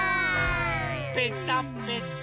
ぺたぺた。